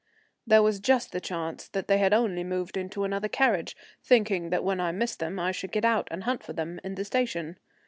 There was just the chance that they had only moved into another carriage, thinking that when I missed them I should get out and hunt for them in the station.